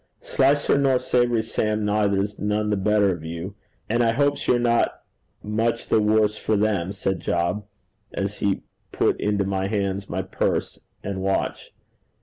'Slicer nor Savoury Sam neither's none the better o' you, and I hopes you're not much the worse for them,' said Job, as he put into my hands my purse and watch.